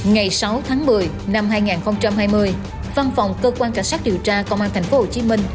ngày sáu tháng một mươi năm hai nghìn hai mươi văn phòng cơ quan cảnh sát điều tra công an tp hcm